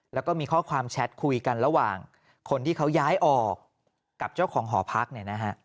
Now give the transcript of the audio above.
แล้วก็มีข้อความแชทคุยกันระหว่างคนที่เขาย้ายออกกับเจ้าของหอพักเนี่ยนะฮะ